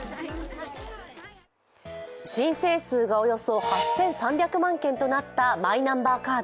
申請数がおよそ８３００万件となったマイナンバーカード。